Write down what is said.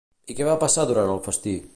I què va passar durant el festí?